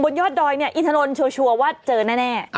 ยอดดอยเนี่ยอินถนนชัวร์ว่าเจอแน่